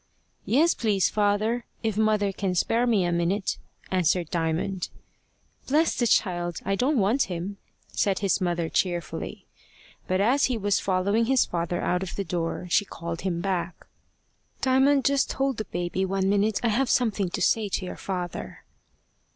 "Yes, please, father if mother can spare me a minute," answered Diamond. "Bless the child! I don't want him," said his mother cheerfully. But as he was following his father out of the door, she called him back. "Diamond, just hold the baby one minute. I have something to say to your father."